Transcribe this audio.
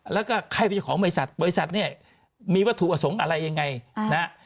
แล้วก็ใครเป็นเจ้าของบริษัทบริษัทเนี่ยมีวัตถุประสงค์อะไรยังไงนะฮะ